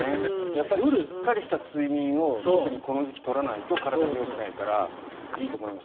やっぱりしっかりした睡眠を特にこの時期に取らないと体によくないからいいと思います。